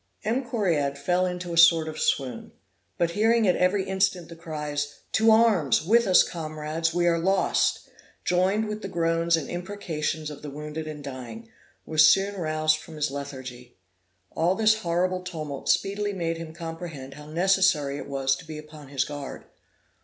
M. Correard fell into a sort of swoon; but hearing at every instant the cries, To Arms! with us comrades; we are lost! joined with the groans and imprecations of the wounded and dying, was soon roused from his lethargy. All this horrible tumult speedily made him comprehend how necessary it was to be upon his guard.